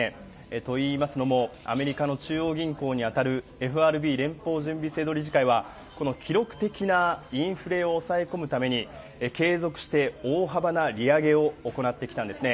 といいますのも、アメリカの中央銀行に当たるＦＲＢ・連邦準備制度理事会は、この記録的なインフレを抑え込むために、継続して大幅な利上げを行ってきたんですね。